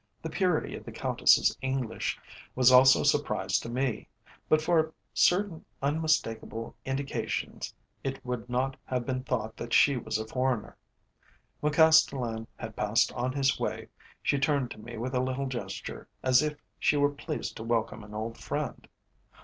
The purity of the Countess's English was also a surprise to me; but for certain unmistakable indications it would not have been thought that she was a foreigner. When Castellan had passed on his way, she turned to me with a little gesture, as if she were pleased to welcome an old friend.